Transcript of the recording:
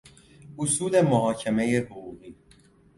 اصول محاکمه حقوقی